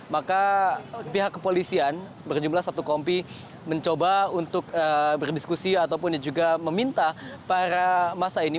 maka pihak kepolisian berjumlah satu kompi mencoba untuk berdiskusi ataupun juga meminta para masa ini